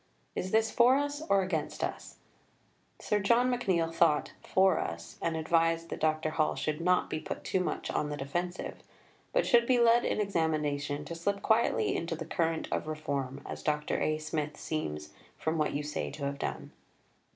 Is this for us or against us?" Sir John McNeill thought "for us," and advised that Dr. Hall should "not be put too much on the defensive," but should be led in examination "to slip quietly into the current of reform as Dr. A. Smith seems from what you say to have done."